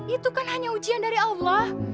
itu kan hanya ujian dari allah